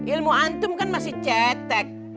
ilmu antum kan masih cetek